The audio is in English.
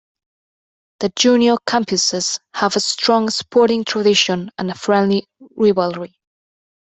The junior Campuses have a strong sporting tradition and a friendly rivalry.